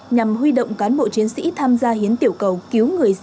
nhằm huy động cán bộ chiến sĩ tham gia hiến tiểu cầu cứu người dịp tết